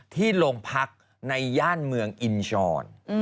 ที่โรงพักในย่านเมืองอินชร